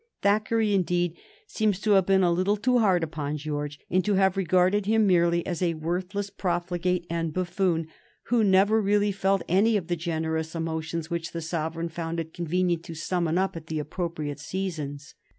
Thackeray, indeed, seems to have been a little too hard upon George, and to have regarded him merely as a worthless profligate and buffoon, who never really felt any of the generous emotions which the sovereign found it convenient to summon up at the appropriate seasons.